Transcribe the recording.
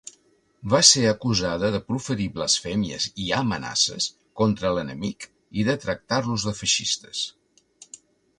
Va ser acusada de proferir blasfèmies i amenaces contra l’enemic i de tractar-los de feixistes.